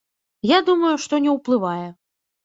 Я думаю, што не ўплывае.